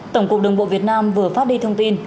tổng cục đường bộ việt nam vừa phát đi thông tin